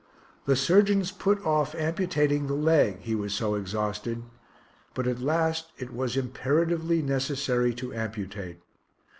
The surgeons put off amputating the leg, he was so exhausted, but at last it was imperatively necessary to amputate.